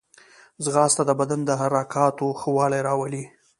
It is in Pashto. ځغاسته د بدن د حرکاتو ښه والی راولي